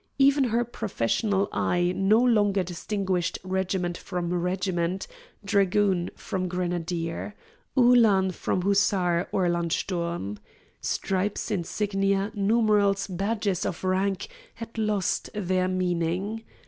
Even her professional eye no longer distinguished regiment from regiment, dragoon from grenadier, Uhlan from Hussar or Landsturm. Stripes, insignia, numerals, badges of rank, had lost their meaning.